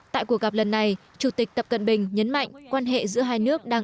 tại cuộc gặp lần này chủ tịch tập cận bình nhấn mạnh quan hệ giữa hai nước đặc biệt